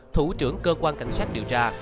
thủ trưởng cơ quan cảnh sát điều tra